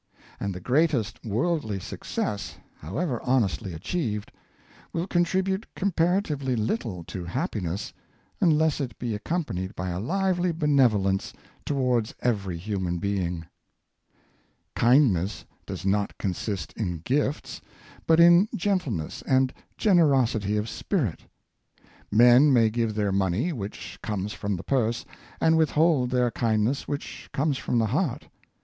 And the greatest worldly success, however honestly achieved, will con tribute comparatively little to happiness unless it be ac companied by a lively benevolence towards every human being. 520 Power of Kindness, Kindness does not consist in gifts, but in gentleness and generosity of spirit. Men may give their money which comes from the purse, and withhold their kind ness which comes from the heart.